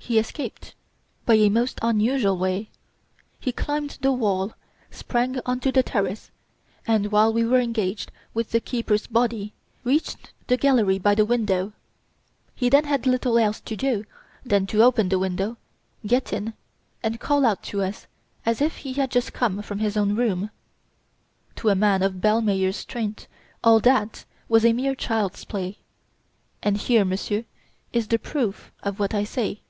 "He escaped by a most unusual way. He climbed the wall, sprang onto the terrace, and, while we were engaged with the keeper's body, reached the gallery by the window. He then had little else to do than to open the window, get in and call out to us, as if he had just come from his own room. To a man of Ballmeyer's strength all that was mere child's play. And here, Monsieur, is the proof of what I say."